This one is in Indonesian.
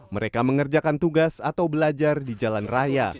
mereka mengerjakan tugas atau belajar di jalan raya